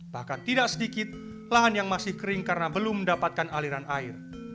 bahkan tidak sedikit lahan yang masih kering karena belum mendapatkan aliran air